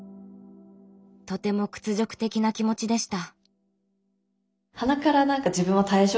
とても屈辱的な気持ちでした。